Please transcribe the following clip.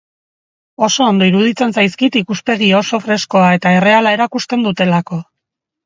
Oso ondo iruditzen zaizkit ikuspegi oso freskoa eta erreala erakusten dutelako.